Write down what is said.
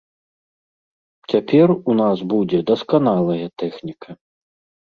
Цяпер у нас будзе дасканалая тэхніка.